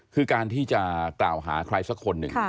คือการที่จะกล่าวหาใครสักคนหนึ่ง